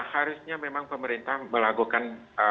harusnya memang pemerintah melakukan